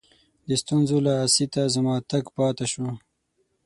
د ستونزو له آسیته زما تګ پاته سو.